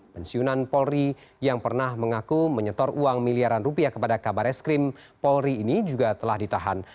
pensiunan polri yang pernah mengaku menyetor uang miliaran rupiah kepada kabar es krim polri ini juga telah ditahan